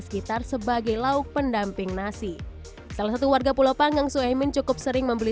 sekitar sebagai lauk pendamping nasi salah satu warga pulau panggang suemin cukup sering membeli